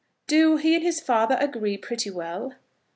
"Do he and his father agree pretty well?"